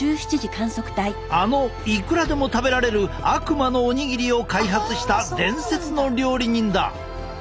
あのいくらでも食べられる悪魔のおにぎりを開発した伝説の料理人だ！